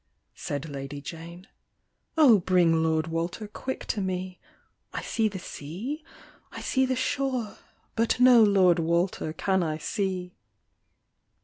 (said Lady Jane) O bring Lord Walter quick to me ; I see the sea, I see the shore, But no Lord Walter can I see."